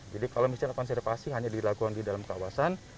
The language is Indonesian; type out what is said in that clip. jadi kalau misalnya konservasi hanya dilakukan di dalam kawasan